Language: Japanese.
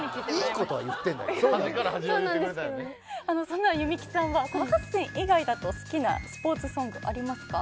そんな弓木さんはこの８選以外だと好きなスポーツソングありますか？